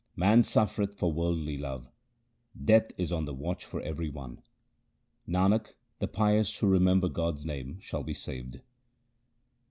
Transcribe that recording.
Man suffereth for worldly love ; Death is on the watch for every one. Nanak, the pious who remember God's name shall be saved.